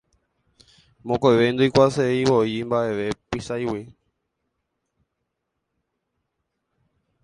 Mokõive ndoikuaaseivoi mba'eve Pychãigui.